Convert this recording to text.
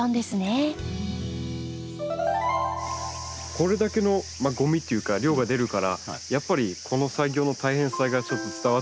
これだけのごみっていうか量が出るからやっぱりこの作業の大変さが伝わってきますねやってて。